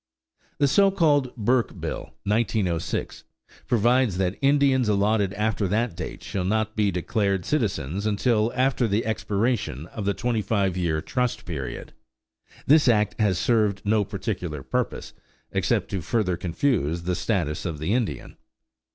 The so called "Burke bill" (1906) provides that Indians allotted after that date shall not be declared citizens until after the expiration of the twenty five year trust period. This act has served no particular purpose except to further confuse the status of the Indian.